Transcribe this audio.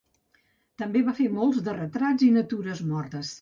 També va fer molts de retrats i natures mortes.